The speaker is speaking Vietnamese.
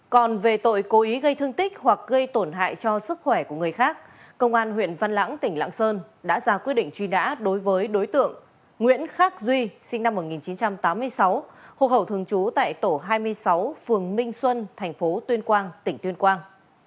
còn về tội cố ý gây thương tích hoặc gây tổn hại cho sức khỏe của người khác công an huyện văn lãng tỉnh lạng sơn đã ra quyết định truy nã đối với đối tượng nguyễn khắc duy sinh năm một nghìn chín trăm tám mươi sáu hộ khẩu thường trú tại tổ hai mươi sáu phường minh xuân tp tuyên quang tỉnh tuyên quang